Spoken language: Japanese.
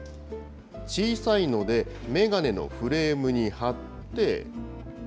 小さいので、眼鏡のフレームに貼って。